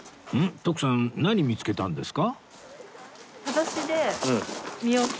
徳さん何見つけたんですか？